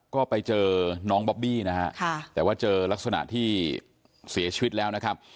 ก็ไปเจอน้องบอบบี้นะฮะแต่ว่าเจอลักษณะที่เสียชีวิตแล้วนะครับ